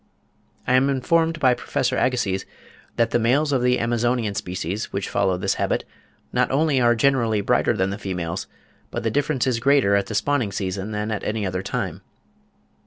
I am informed by Professor Agassiz that the males of the Amazonian species which follow this habit, "not only are generally brighter than the females, but the difference is greater at the spawning season than at any other time."